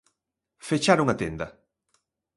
Fecharon a tenda.